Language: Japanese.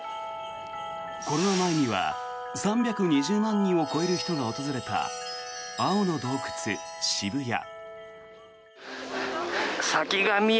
コロナ前には３２０万人を超える人が訪れた青の洞窟ＳＨＩＢＵＹＡ。